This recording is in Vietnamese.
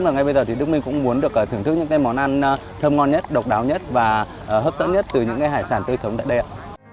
và ngay bây giờ thì đức minh cũng muốn được thưởng thức những món ăn thơm ngon nhất độc đáo nhất và hấp dẫn nhất từ những hải sản tươi sống đã đẹp